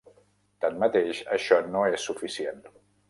Tanmateix, això no és suficient.